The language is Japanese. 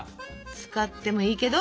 使ってもいいけど。